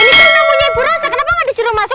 ini kan tamunya ibu rosa kenapa nggak disuruh masuk